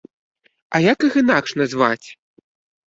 А як іх інакш назваць?